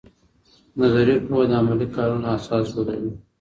نظري پوهه د عملي کارونو اساس جوړوي.